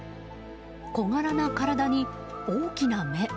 小柄な体に大きな目。